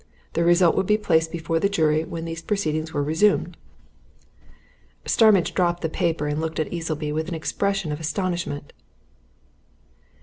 The result would be placed before the jury when these proceedings were resumed.'" Starmidge dropped the paper and looked at Easleby with an expression of astonishment.